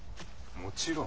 もちろん。